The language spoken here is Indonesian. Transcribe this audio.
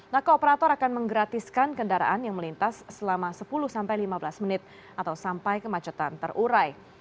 naka operator akan menggratiskan kendaraan yang melintas selama sepuluh sampai lima belas menit atau sampai kemacetan terurai